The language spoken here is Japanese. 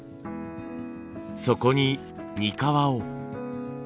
そこににかわを。